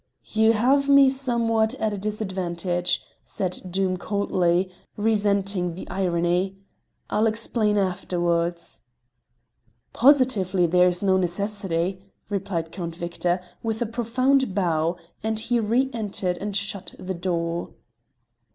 "You have me somewhat at a disadvantage," said Doom coldly, resenting the irony. "I'll explain afterwards." "Positively, there is no necessity," replied Count Victor, with a profound bow, and he re entered and shut the door.